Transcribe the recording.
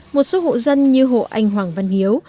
một số hộ dân như hộ anh hoàng văn hiếu